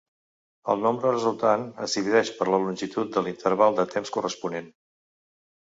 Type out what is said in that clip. El nombre resultant es divideix per la longitud de l'interval de temps corresponent.